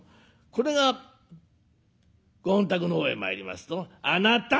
これがご本宅の方へ参りますと「あなた！」。